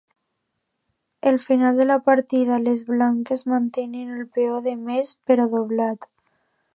El final de la partida les blanques mantenien el peó de més, però doblat.